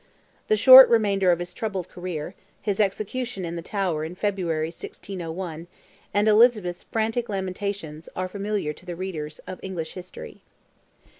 The short remainder of his troubled career, his execution in the Tower in February, 1601, and Elizabeth's frantic lamentations, are familiar to readers of English history.